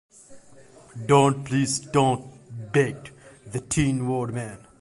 "Don't! please don't," begged the Tin Woodman.